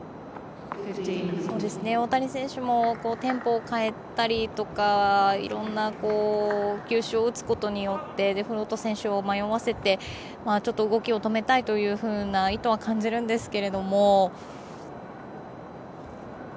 大谷選手もテンポを変えたりとかいろんな球種を打つことによってデフロート選手を迷わせてちょっと、動きを止めたいという意図は感じるんですが。